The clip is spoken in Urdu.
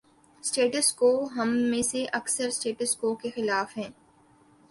’سٹیٹس کو‘ ہم میں سے اکثر 'سٹیٹس کو‘ کے خلاف ہیں۔